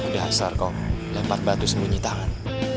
sudah sarko lepat batu sembunyi tangan